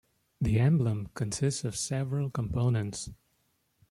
The emblem consists of several components.